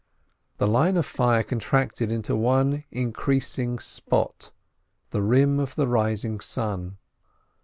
The line of fire contracted into one increasing spot, the rim of the rising sun.